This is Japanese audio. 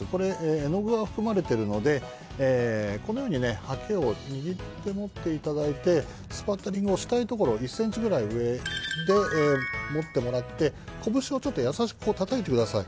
絵具は含まれているのでこのようにはけを握って持っていただいてスパッタリングをしたいところの１ｃｍぐらい上で持ってもらって拳を優しくたたいてください。